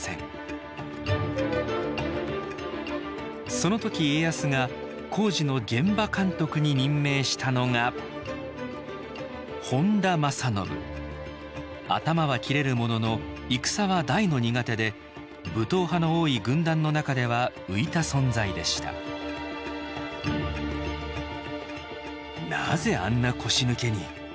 その時家康が工事の現場監督に任命したのが頭は切れるものの戦は大の苦手で武闘派の多い軍団の中では浮いた存在でした「なぜあんな腰抜けに」。